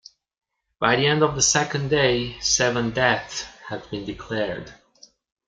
By the end of the second day, seven deaths had been declared.